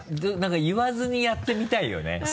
何か言わずにやってみたいよね。